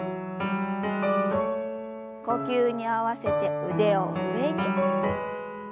呼吸に合わせて腕を上に。